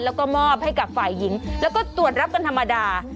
แล้วก็มอบให้กับฝ่ายหญิงแล้วก็ตรวจรับกันธรรมดา